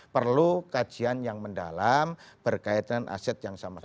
perlu kajian yang mendalam berkaitan aset yang sama sama